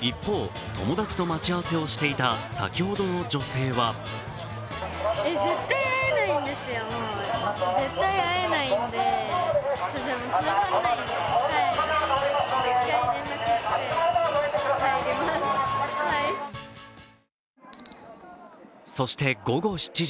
一方、友達と待ち合わせをしていた先ほどの女性はそして午後７時。